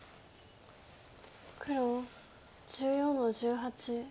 黒１４の十八。